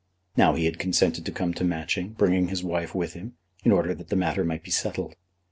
Now he had consented to come to Matching, bringing his wife with him, in order that the matter might be settled.